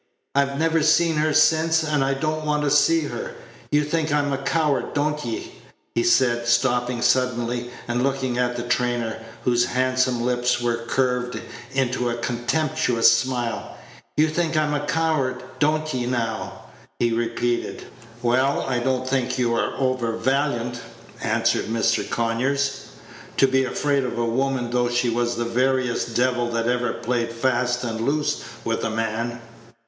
I've never seen her since, and I don't want to see her. You think I am a coward, don't 'ee?" he said, stopping suddenly, and looking at the trainer, whose handsome lips were curved into a contemptuous smile. "You think I'm a coward, don't 'ee, now?" he repeated. "Well, I do n't think you are over valiant," answered Mr. Conyers, "to be afraid of a woman, though she was the veriest devil that ever played fast and loose with a man."